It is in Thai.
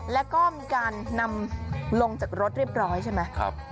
แล้วก็มีการนำลงจากรถเรียบร้อยใช่ไหม